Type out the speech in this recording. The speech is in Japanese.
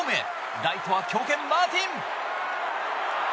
ライトは強肩マーティン。